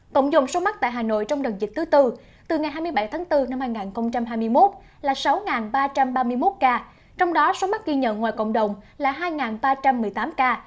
tổng dòng số mắc tại hà nội trong đợt dịch thứ tư từ ngày hai mươi bảy tháng bốn năm hai nghìn hai mươi một là sáu ba trăm ba mươi một ca trong đó số mắc ghi nhận ngoài cộng đồng là hai ba trăm một mươi tám ca